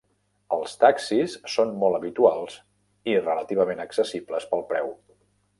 Els taxis són molt habituals i relativament accessibles pel preu.